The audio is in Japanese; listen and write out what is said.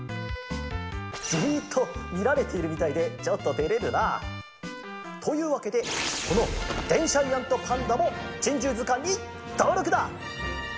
じっとみられているみたいでちょっとてれるな。というわけでこのデンシャイアントパンダも「珍獣図鑑」にとうろくだ！